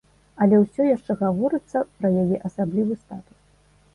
Але ўсё яшчэ гаворыцца пра яе асаблівы статус.